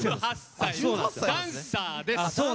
１８歳、ダンサーです！